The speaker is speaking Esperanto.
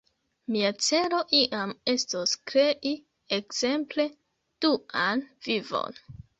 Mia celo iam estos krei, ekzemple, Duan Vivon.